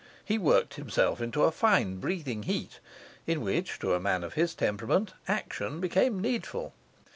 He worked himself into a fine breathing heat; in which, to a man of his temperament, action became needful.